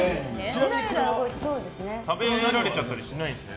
食べられちゃったりしないんですね。